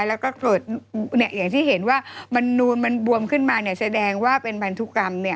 แล้วก็เกิดอย่างที่เห็นว่ามันบวมขึ้นมาแสดงว่าเป็นพันธุกรรม